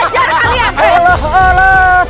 jangan kurang ajar kalian